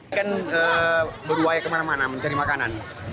ikan beruaya kemana mana mencari makanan